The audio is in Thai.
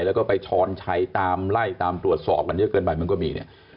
แล้วก็ไปช้อนใช้ตามไล่ตามตรวจสอบกันเยอะเกินไปมันก็มีเนี่ย